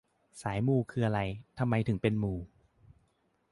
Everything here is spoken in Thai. สายมูคืออะไร ทำไมถึงเป็นมู